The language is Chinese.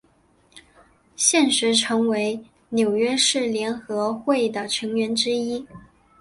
现时陈为纽约市联合会的成员之一。